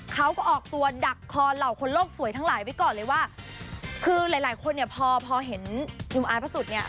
เขาก็ออกตัวดักคอเหล่าคนโลกสวยทั้งหลายไว้ก่อนเลยว่าคือหลายหลายคนเนี่ยพอพอเห็นหนุ่มอายพระสุทธิ์เนี่ย